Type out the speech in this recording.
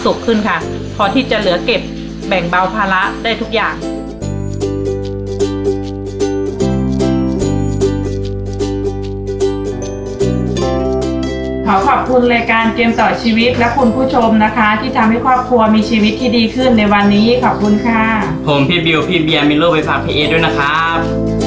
ขอขอบคุณรายการเกมต่อชีวิตและคุณผู้ชมนะคะที่ทำให้ความครัวมีชีวิตที่ดีขึ้นในวันนี้ขอบคุณค่ะผมพี่พี่ด้วยนะครับ